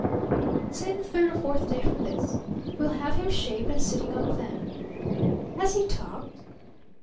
"Say the third or fourth day from this. We'll have him shaved and sitting up then." "Has he talked?"